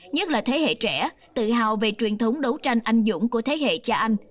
nhất là thế hệ trẻ tự hào về truyền thống đấu tranh anh dũng của thế hệ cha anh